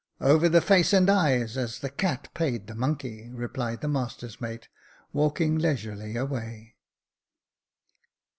" Over the face and eyes, as the cat paid the monkey," replied the master's mate, walking leisurely away.